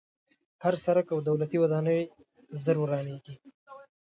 هر سړک او دولتي ودانۍ ژر ورانېږي.